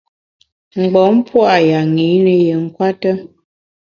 Mgbom pua’ yanyi ne yi nkwete.